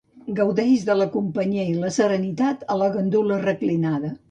Gaudeix de la companyia i la serenitat a la gandula reclinada.